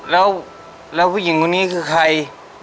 แล้วผู้หญิงคนนี้คือใคร